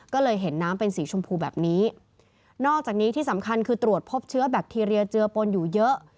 ก็เลยเห็นน้ำเป็นสีชมพูแบบนี้นอกจากนี้ที่สำคัญคือตรวจพบเชื้อแบคทีเรียเจือปนอยู่เยอะ